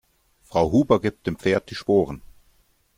Frau Huber gibt dem Pferd die Sporen.